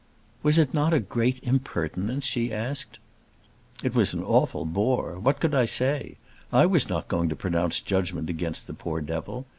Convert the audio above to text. "Was it not a great impertinence?" she asked. "It was an awful bore. What could I say? I was not going to pronounce judgment against the poor devil.